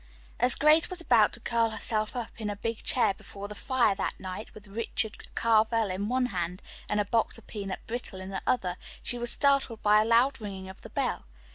As Grace was about to curl herself up in a big chair before the fire that night with "Richard Carvel" in one hand and a box of peanut brittle in the other, she was startled by a loud ringing of the bell.